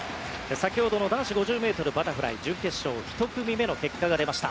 先ほどの男子５０ｍバタフライ準決勝１組目の結果が出ました。